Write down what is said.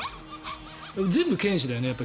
全部犬歯だよね。